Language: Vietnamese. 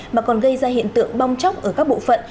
mà còn gây ra hiện tượng bong chóc ở các bộ phận